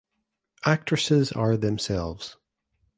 Actresses are themselves.